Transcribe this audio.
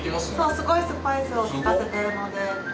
すごいスパイスをきかせてるので。